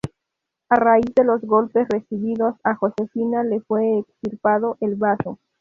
A raíz de los golpes recibidos, a Josefina le fue extirpado el bazo.